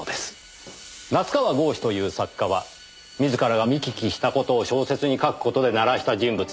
夏河郷士という作家は自らが見聞きした事を小説に書く事で鳴らした人物です。